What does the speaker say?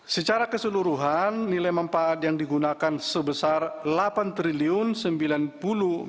secara keseluruhan nilai mempaat yang digunakan sebesar rp delapan sembilan puluh tiga ratus enam puluh tiga ratus dua puluh tujuh